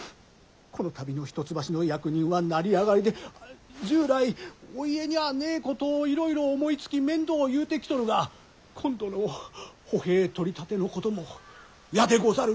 「この度の一橋の役人は成り上がりで従来お家にゃあねぇことをいろいろ思いつき面倒を言うてきとるが今度の歩兵取立のことも『嫌でござる。